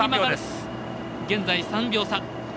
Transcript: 現在、３秒差。